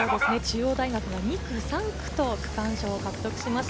中央大学は２区、３区と区間賞を獲得しました。